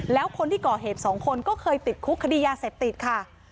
แล้วคนที่ก่อเหตุสองคนก็เคยติดคุกคดียาเสพติดค่ะ